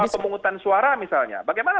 pemungutan suara misalnya bagaimana